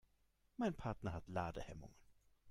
Mein Partner hat Ladehemmungen.